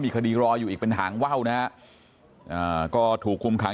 คดีรออยู่อีกเป็นหางว่าวนะฮะก็ถูกคุมขัง